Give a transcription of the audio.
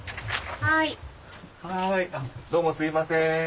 どうもすいません。